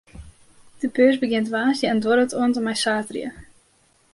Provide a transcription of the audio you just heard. De beurs begjint woansdei en duorret oant en mei saterdei.